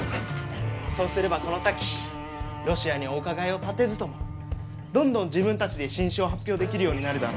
そうすればこの先ロシアにお伺いを立てずともどんどん自分たちで新種を発表できるようになるだろう？